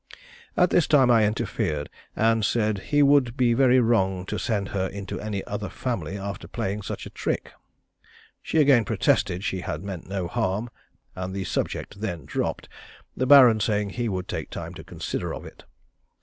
At this time I interfered, and said he would be very wrong to send her into any other family after playing such a trick. She again protested she had meant no harm, and the subject then dropped, the Baron saying he would take time to consider of it.